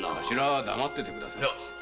頭は黙ってて下さい。